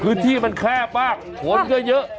คือที่มันแค่บ้างโผล่เยอะ